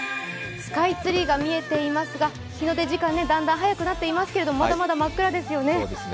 スカイツリーが見えていますが日の出時間がだんだん早くなっていますけれどもまだまだ真っ暗ですよね。